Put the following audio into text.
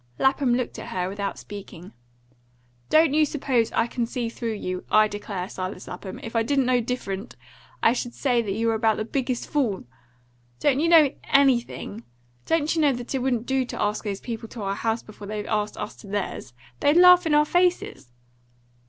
Lapham looked at her without speaking. "Don't you suppose I can see through you I declare, Silas Lapham, if I didn't know different, I should say you were about the biggest fool! Don't you know ANYthing? Don't you know that it wouldn't do to ask those people to our house before they've asked us to theirs? They'd laugh in our faces!"